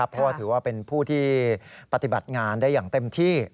เพราะว่าถือว่าเป็นผู้ที่ปฏิบัติงานได้อย่างเต็มที่